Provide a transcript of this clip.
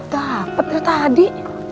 dapet ya tadi